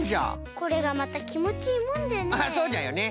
これがまたきもちいいもんでねえ。